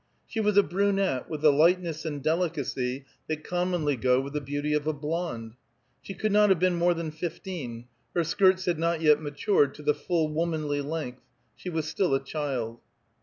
She was a brunette, with the lightness and delicacy that commonly go with the beauty of a blonde. She could not have been more than fifteen; her skirts had not yet matured to the full womanly length; she was still a child.